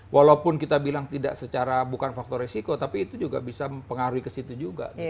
walaupun kita bilang tidak secara bukan faktor resiko tapi itu juga bisa mempengaruhi ke situ juga